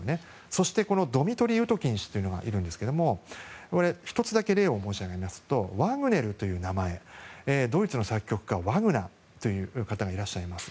そしてドミトリー・ウトキン氏は１つだけ例を申し上げるとワグネルという名前ドイツの作曲家にワグナーという方がいらっしゃいます。